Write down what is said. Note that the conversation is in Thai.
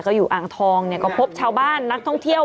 ก็อยู่อ่างทองเนี่ยก็พบชาวบ้านนักท่องเที่ยว